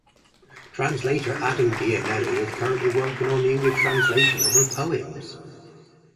Translator Adam Giannelli is currently working on the English translation of her poems.